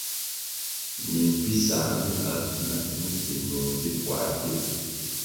Mimpisah mi lap gina mi ki nung vi puā pil.